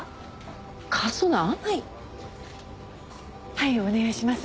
はいお願いします。